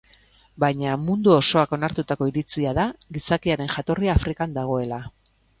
Baina, mundu osoak onartutako iritzia da, gizakiaren jatorria Afrikan dagoela.